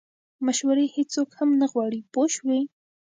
مشورې هیڅوک هم نه غواړي پوه شوې!.